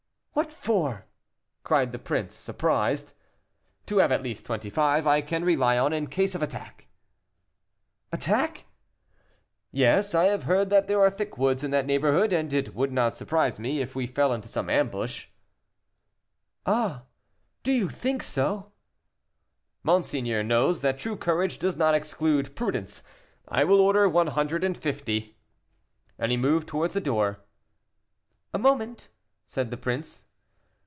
"What for?" cried the prince, surprised. "To have at least twenty five I can rely on in case of attack." "Attack!" "Yes, I have heard that there are thick woods in that neighborhood, and it would not surprise me if we fell into some ambush." "Ah, do you think so?" "Monseigneur knows that true courage does not exclude prudence; I will order one hundred and fifty." And he moved towards the door. "A moment," said the prince.